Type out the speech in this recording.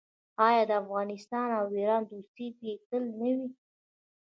آیا د افغانستان او ایران دوستي دې تل نه وي؟